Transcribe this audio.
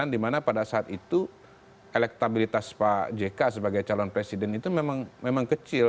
dimana pada saat itu elektabilitas pak jk sebagai calon presiden itu memang kecil